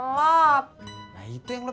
tapi kok ada cobauous